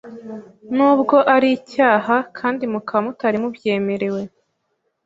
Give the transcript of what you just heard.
n’ubwo ari icyaha kandi mukaba mutari mubyemerewe